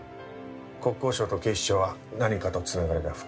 国交省と警視庁は何かと繋がりが深い。